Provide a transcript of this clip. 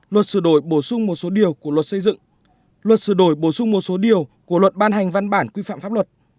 luật sửa đổi bổ sung một số điều của luật xây dựng luật sửa đổi bổ sung một số điều của luật ban hành văn bản quy phạm pháp luật